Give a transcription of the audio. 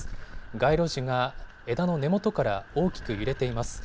街路樹が枝の根元から大きく揺れています。